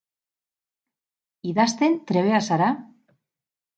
Idazten trebea zara?